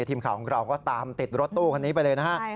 ทีมข่าวของเราก็ตามติดรถตู้คันนี้ไปเลยนะฮะ